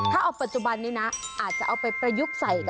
ถ้าเอาปัจจุบันนี้นะอาจจะเอาไปประยุกต์ใส่กัน